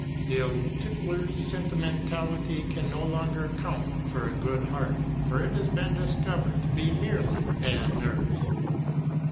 The old tippler's sentimentality can no longer count for "a good heart," for it has been discovered to be merely bad nerves.